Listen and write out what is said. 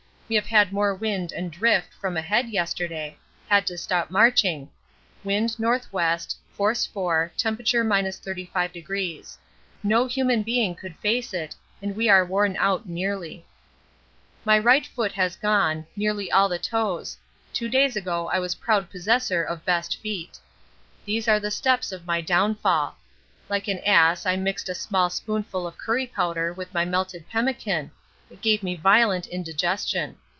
We have had more wind and drift from ahead yesterday; had to stop marching; wind N.W., force 4, temp. 35°. No human being could face it, and we are worn out nearly. My right foot has gone, nearly all the toes two days ago I was proud possessor of best feet. These are the steps of my downfall. Like an ass I mixed a small spoonful of curry powder with my melted pemmican it gave me violent indigestion.